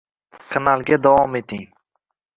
Kanalga davom eting👇👇👇